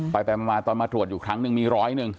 ไปไปมามาตอนมาตรวจอยู่ครั้งนึงมีร้อย